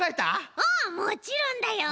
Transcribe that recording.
うんもちろんだよ！